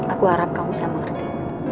aku harap kau bisa mengerti